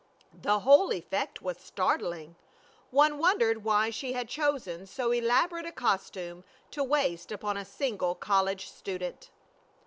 The whole effect was startling. One wondered why she had chosen so elaborate a costume to waste upon a single college student.